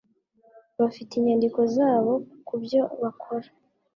Bafite inyandiko zabo kubyo bakora